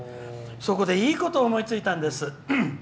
そこでいいことを思いついたんです。